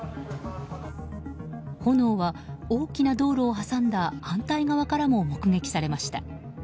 炎は、大きな道路を挟んだ反対側からも目撃されました。